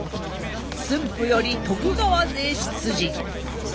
駿府より徳川勢出陣。